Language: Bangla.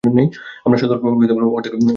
আমরা সতর্কভাবে অর্ধেক করে বিল দিলাম।